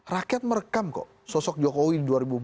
rakyat merekam kok sosok jokowi di dua ribu empat belas